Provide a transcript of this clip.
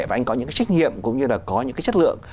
và anh có những cái trích nghiệm cũng như là có những cái chất lượng